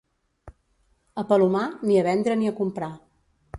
A Palomar, ni a vendre ni a comprar.